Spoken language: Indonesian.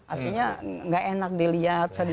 artinya tidak enak dilihat